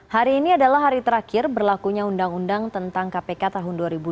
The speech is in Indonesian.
hari ini adalah hari terakhir berlakunya undang undang tentang kpk tahun dua ribu dua puluh